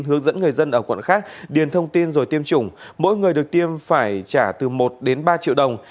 hướng dẫn người dân ở quận khác điền thông tin rồi tiêm chủng mỗi người được tiêm phải trả từ một đến ba triệu đồng